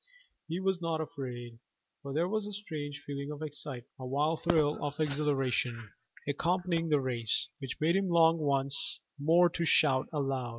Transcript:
He was not afraid, for there was a strange feeling of excitement, a wild thrill of exhilaration, accompanying the race, which made him long once more to shout aloud.